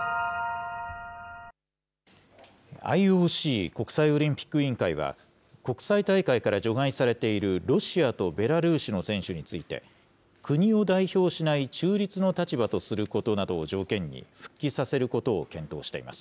ＩＯＣ・国際オリンピック委員会は、国際大会から除外されているロシアとベラルーシの選手について、国を代表しない中立の立場とすることなどを条件に、復帰させることを検討しています。